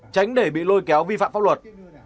tránh để bị lôi kéo vi phạm pháp luật